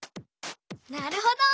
なるほど。